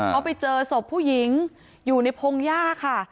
เขาไปเจอศพผู้หญิงอยู่ในพงหญ้าค่ะ